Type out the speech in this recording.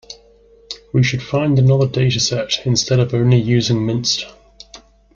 We should find another dataset instead of only using mnist.